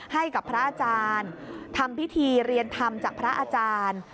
ให้กับพระอาจารย์ทำพิธีเรียนธรรมจากพระอาจารย์